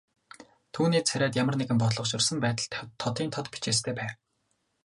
Түүний царайд ямар нэг бодлогоширсон байдал тодын тод бичээстэй байв.